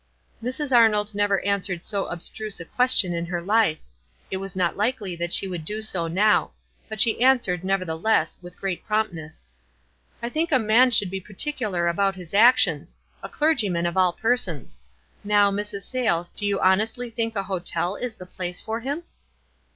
Mrs. Arnold never answered so abstruse a question in her life — it was not likely that she would do so now ; but she answered, neverthe less, with great promptness. " I think a man should be particular about his WISE AND OTHERWISE. 171 actions — a clergyman of all persons. Now, Mrs. Sayles, do you honestly think a hotel is the place for him?"